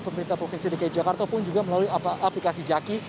pemerintah provinsi dki jakarta pun juga melalui aplikasi jaki